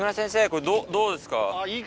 これどうですか？